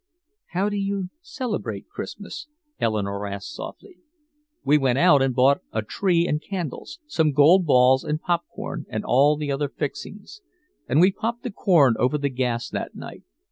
"How did you celebrate Christmas?" Eleanore asked softly. "We went out and bought a tree and candles, some gold balls and popcorn and all the other fixings. And we popped the corn over the gas that night.